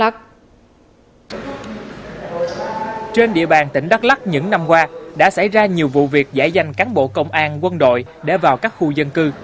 trong những năm qua đã xảy ra nhiều vụ việc giải danh cán bộ công an quân đội để vào các khu dân cư